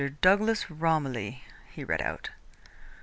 Douglas Romilly," he read out.